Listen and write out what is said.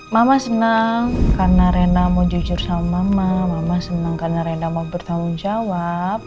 mama senang karena rena mau jujur sama mama mama senang karena rena mau bertanggung jawab